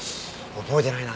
覚えてないな。